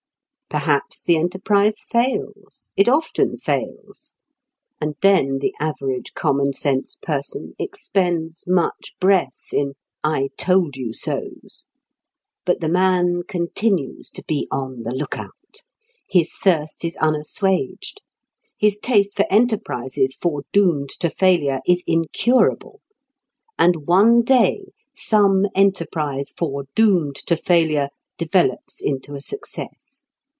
Perhaps the enterprise fails; it often fails; and then the average common sense person expends much breath in "I told you so's." But the man continues to be on the look out. His thirst is unassuaged; his taste for enterprises foredoomed to failure is incurable. And one day some enterprise foredoomed to failure develops into a success.